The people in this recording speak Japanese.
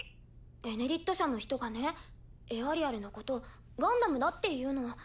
「ベネリット社」の人がねエアリアルのことガンダムだって言うの。